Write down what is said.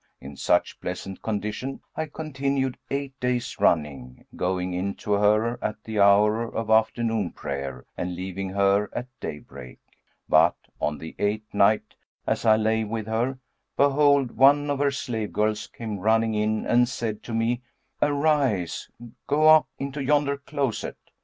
In such pleasant condition I continued eight days running, going in to her at the hour of afternoon prayer and leaving her at daybreak; but, on the eighth night, as I lay with her, behold, one of her slave girls came running in and said to me, 'Arise, go up into yonder closet.'